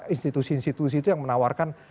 institusi institusi itu yang menawarkan